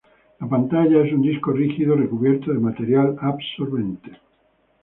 La pantalla es un disco rígido recubierto de material absorbente.